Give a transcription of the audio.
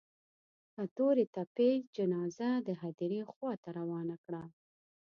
که تورې تپې جنازه د هديرې خوا ته روانه کړه.